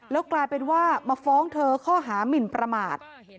แล้วกลายเป็นว่ามาฟ้องเธอข้อหามินประมาท